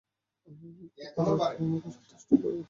আমার কথা রাখো, আমাকে সন্তুষ্ট করো।